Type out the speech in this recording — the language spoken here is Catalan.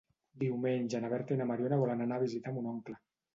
Diumenge na Berta i na Mariona volen anar a visitar mon oncle.